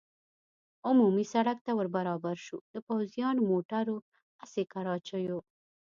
عمومي سړک ته ور برابر شو، د پوځیانو، موټرو، اسي کراچیو.